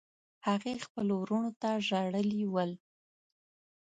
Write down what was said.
هغې خپلو وروڼو ته ژړلي ول.